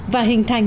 và hình thành